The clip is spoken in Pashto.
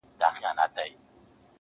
هغې کافري په ژړا کي راته وېل ه.